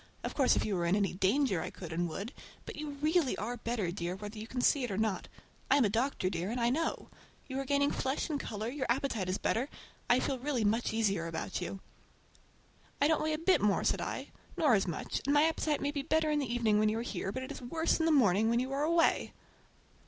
Of course if you were in any danger I could and would, but you really are better, dear, whether you can see it or not. I am a doctor, dear, and I know. You are gaining flesh and color, your appetite is better. I feel really much easier about you." "I don't weigh a bit more," said I, "nor as much; and my appetite may be better in the evening, when you are here, but it is worse in the morning when you are away."